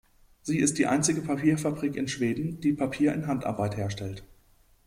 Sie ist die einzige Papierfabrik in Schweden, die Papier in Handarbeit herstellt.